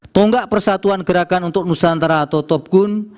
tonggak persatuan gerakan untuk nusantara atau topgun